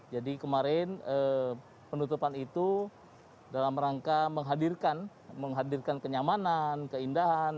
jadi kemarin penutupan itu dalam rangka menghadirkan menghadirkan kenyamanan keindahan